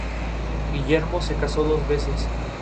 No tiene desperdicio.